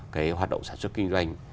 cái hoạt động sản xuất kinh doanh